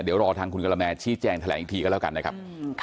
เดี๋ยวรอทางคุณกะละแมชี้แจงแถลงอีกทีก็แล้วกันนะครับ